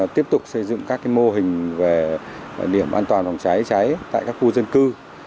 tiếp tục xây dựng các mô hình về điểm an toàn phòng cháy cháy tại các khu dân cư